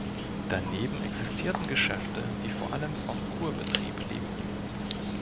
Daneben existierten Geschäfte, die vor allem vom Kurbetrieb lebten.